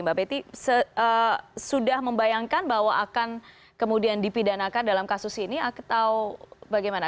mbak betty sudah membayangkan bahwa akan kemudian dipidanakan dalam kasus ini atau bagaimana